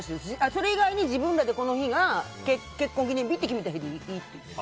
それ以外に自分らでこの日が結婚記念日って決めていいって。